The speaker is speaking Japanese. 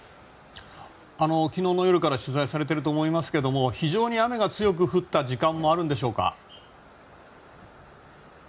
昨日の夜から取材をされていると思いますけれども非常に雨が強く降った時間もあるんでしょうか。